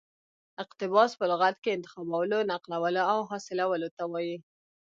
اقتباس په لغت کښي انتخابولو، نقلولو او حاصلولو ته وايي.